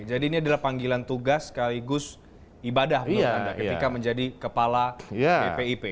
jadi ini adalah panggilan tugas sekaligus ibadah menurut anda ketika menjadi kepala ppip